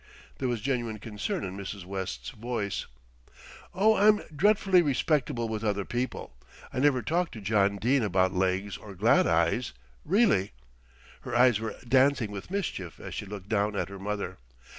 There was genuine concern in Mrs. West's voice. "Oh, I'm dreadfully respectable with other people. I never talk to John Dene about legs or glad eyes, really." Her eyes were dancing with mischief as she looked down at her mother.